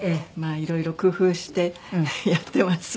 色々工夫してやってます。